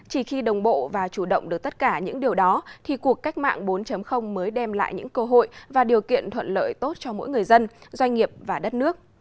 chỉ khi đồng bộ và chủ động được tất cả những điều đó thì cuộc cách mạng bốn mới đem lại những cơ hội và điều kiện thuận lợi tốt cho mỗi người dân doanh nghiệp và đất nước